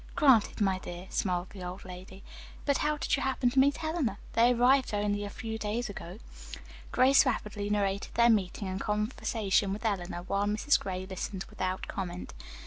"Granted, my dear," smiled the old lady. "But how did you happen to meet Eleanor? They arrived only a few days ago." Grace rapidly narrated their meeting and conversation with Eleanor, while Mrs. Gray listened without comment.